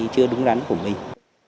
chưa đúng đắn của mình